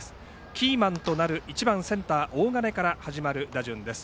キーマンとなる１番センター大金から始まる打線です。